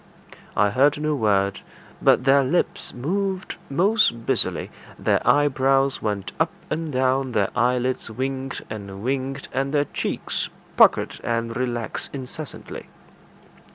I heard no word, but their lips moved most busily; their eyebrows went up and down; their eyelids winked and winked, and their cheeks puckered and relaxed incessantly.